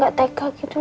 gak teka gitu